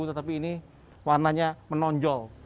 tetapi ini warnanya menonjol